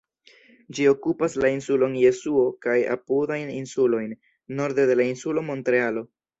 Ĝi okupas la insulon Jesuo kaj apudajn insulojn, norde de la insulo Montrealo.